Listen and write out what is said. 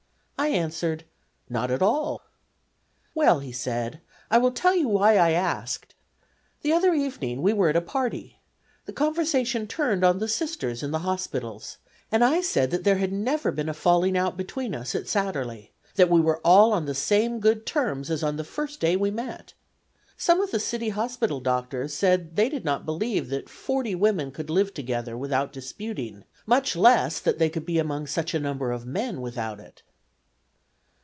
I answered: 'Not at all.' 'Well,' he said, 'I will tell you why I asked. The other evening we were at a party. The conversation turned on the Sisters in the hospitals, and I said there had never been a falling out between us at Satterlee that we were all on the same good terms as on the first day we met. Some of the city hospital doctors said they did not believe that forty women could live together without disputing, much less that they could be among such a number of men without it.